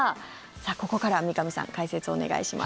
ここから三上さん解説をお願いします。